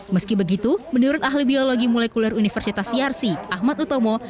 meski begitu menurut ahli biologi molekuler universitas yarsi ahmad utomo